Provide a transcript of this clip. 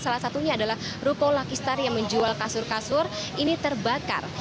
salah satunya adalah ruko lakistar yang menjual kasur kasur ini terbakar